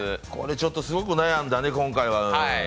これちょっとすごく悩んだね、今回は。